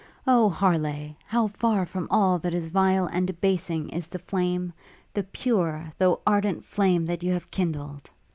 O Harleigh! how far from all that is vile and debasing is the flame, the pure, though ardent flame that you have kindled!